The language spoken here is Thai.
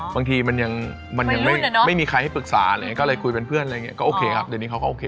บางทีมันยังมันยังไม่มีใครให้ปรึกษาอะไรอย่างนี้ก็เลยคุยเป็นเพื่อนอะไรอย่างนี้ก็โอเคครับเดี๋ยวนี้เขาก็โอเค